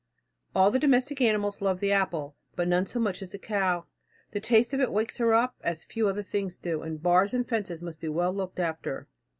All the domestic animals love the apple, but none so much so as the cow. The taste of it wakes her up as few other things do, and bars and fences must be well looked after.